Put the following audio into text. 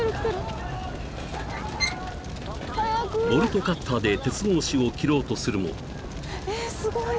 ［ボルトカッターで鉄格子を切ろうとするも］